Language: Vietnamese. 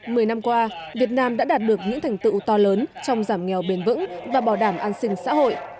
mười năm qua việt nam đã đạt được những thành tựu to lớn trong giảm nghèo bền vững và bảo đảm an sinh xã hội